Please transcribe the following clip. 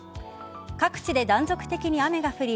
各地で断続的に雨が降り